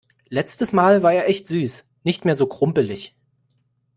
Letztes mal war er echt süß. Nicht mehr so krumpelig.